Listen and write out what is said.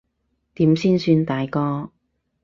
點先算大個？